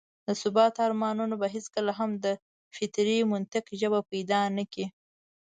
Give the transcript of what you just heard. د ثبات ارمانونه به هېڅکله هم د فطري منطق ژبه پيدا نه کړي.